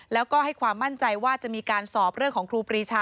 แล้วก็ให้ความมั่นใจว่าจะมีการสอบเรื่องของครูปรีชา